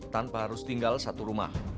tanpa harus tinggal satu rumah